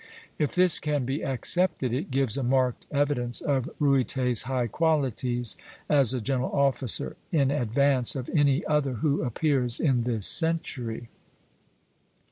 If this can be accepted, it gives a marked evidence of Ruyter's high qualities as a general officer, in advance of any other who appears in this century.